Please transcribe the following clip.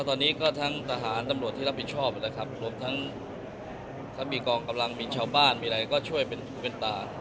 ตอนนี้ก็ทั้งทหารตำรวจที่รับผิดชอบนะครับรวมทั้งมีกองกำลังมีชาวบ้านมีอะไรก็ช่วยเป็นหูเป็นตา